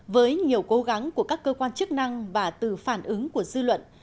với nhiều cố gắng của các cơ quan chức năng và từ phản ứng của dư luận